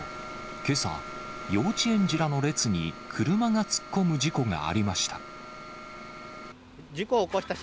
けさ、幼稚園児らの列に車が突っ込む事故がありました。